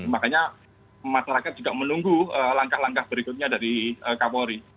makanya masyarakat juga menunggu langkah langkah berikutnya dari kapolri